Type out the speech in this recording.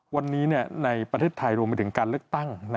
วันนี้ในประเทศไทยรวมไปถึงการเลือกตั้ง